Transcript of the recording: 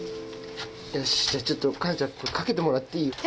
よしじゃあ環奈ちゃんかけてもらっていい？